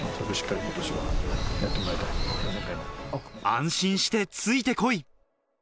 安心してついて来い。